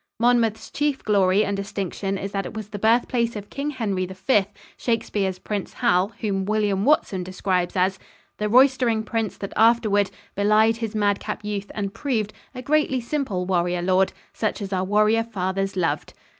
Monmouth's chief glory and distinction is that it was the birthplace of King Henry V, Shakespeare's Prince Hal, whom William Watson describes as "The roystering prince that afterward Belied his madcap youth and proved A greatly simple warrior lord Such as our warrior fathers loved."